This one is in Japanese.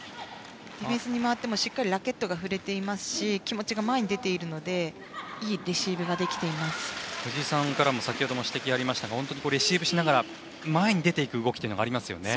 ディフェンスに回ってもしっかりラケットが振れていますし気持ちが前に出ているので藤井さんから先ほども指摘がありましたがレシーブしながら前に出ていく動きがありますよね。